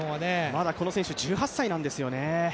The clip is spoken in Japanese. まだこの選手、１８歳なんですよね。